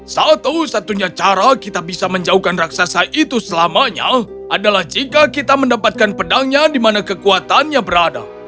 satu satunya cara kita bisa menjauhkan raksasa itu selamanya adalah jika kita mendapatkan pedangnya di mana kekuatannya berada